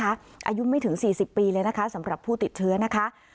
อายุไม่ถึง๔๐ปีเลยนะคะสำหรับผู้ติดเชื้อนะคะ